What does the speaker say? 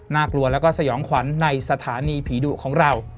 กลัวแล้วก็สยองขวัญในสถานีผีดุของเรา